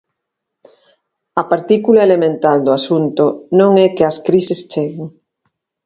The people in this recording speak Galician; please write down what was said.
A partícula elemental do asunto non é que as crises cheguen.